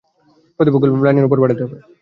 প্রতিপক্ষকে লাইনের বাইরে পাঠাতে হবে।